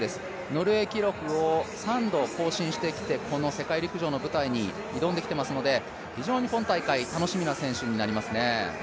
ノルウェー記録を３度更新してきてこの世界陸上の舞台に挑んできていますので、非常に今大会楽しみな選手になりますね。